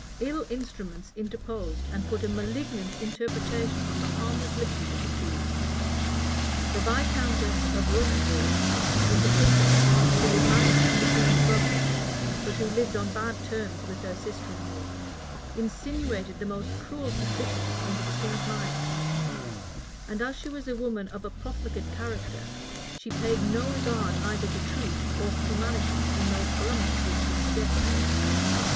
III instruments interposed, and put a malignant interpretation on the harmless liberties of the queen: the viscountess of Rocheford, in particular, who was married to the queen's brother, but who lived on bad terms with her sister in law, insinuated the most cruel suspicions into the king's mind; and as she was a woman of a profligate character, she paid no regard either to truth or humanity in those calumnies which she suggested.